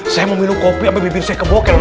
saya mau minum kopi abis bibir saya kebuker